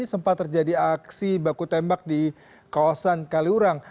sempat terjadi aksi baku tembak di kawasan kaliurang